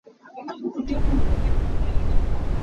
Zei dah tuah seh ti na ka duh?